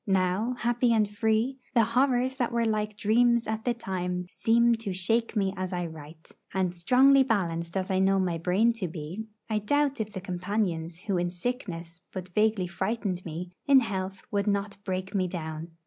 Now, happy and free, the horrors that were like dreams at the time seem to shake me as I write; and strongly balanced as I know my brain to be, I doubt if the companions who in sickness but vaguely frightened me, in health would not break me down.